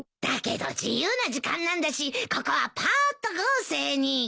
だけど自由な時間なんだしここはぱーっと豪勢に。